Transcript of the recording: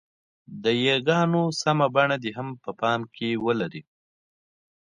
د ی ګانو سمه بڼه دې هم په پام کې ولري.